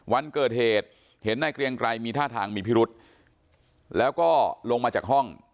วันเกิดเหตุเห็นนายเกรียงไกรมีท่าทางมีพิรุธแล้วก็ลงมาจากห้อง